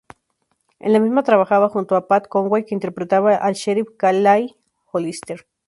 En la misma trabajaba junto a Pat Conway, que interpretaba al sheriff Clay Hollister.